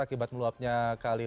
akibat meluapnya kali lain